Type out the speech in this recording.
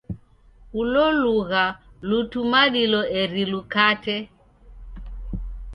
Ulo lugha lutumalilo eri lukate.